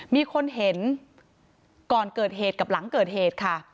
มีคนเห็นก่อนเกิดเหตุกับหลังเกิดเหตุค่ะ